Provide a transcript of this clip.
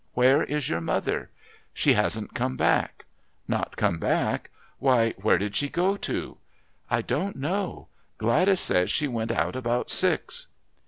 Where is your mother?" "She hasn't come back." "Not come back? Why, where did she go to?" "I don't know. Gladys says she went out about six."